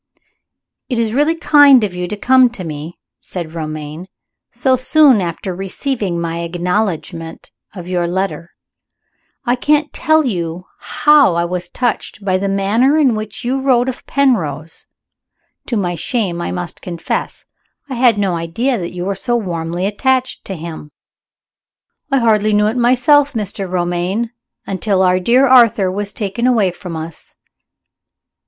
"It is really kind of you to come to me," said Romayne, "so soon after receiving my acknowledgment of your letter. I can't tell you how I was touched by the manner in which you wrote of Penrose. To my shame I confess it, I had no idea that you were so warmly attached to him." "I hardly knew it myself, Mr. Romayne, until our dear Arthur was taken away from us."